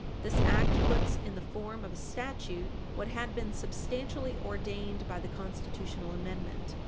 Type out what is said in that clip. This act puts in the form of a statute what had been substantially ordained by the constitutional amendment.